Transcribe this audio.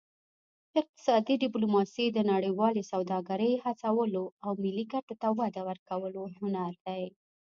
اقتصادي ډیپلوماسي د نړیوالې سوداګرۍ هڅولو او ملي ګټو ته وده ورکولو هنر دی